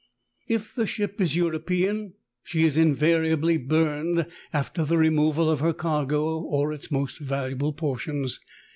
If the ship is European, she is invariably burned after the removal of her cargo or its most valuable portions.